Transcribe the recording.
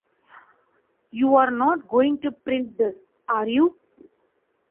You're not going to print this, are you?